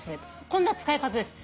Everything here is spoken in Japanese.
こんな使い方です」